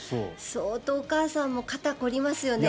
相当お母さんも肩凝りますよね。